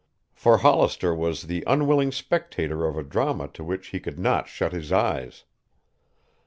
For Hollister was the unwilling spectator of a drama to which he could not shut his eyes.